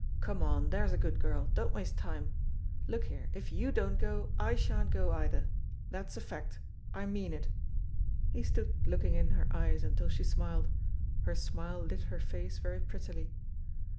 Come on, there's a good girl, don't waste timel Look here, if you don't go, I shan't go, either. That's a fact. I mean it." He stood looking in her eyes imtil she smiled. Her smile lit her face very prettily.